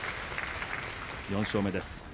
４勝目です。